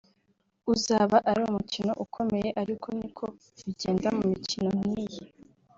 uzaba ari umukino ukomeye ariko niko bigenda mu mikino nk’iyi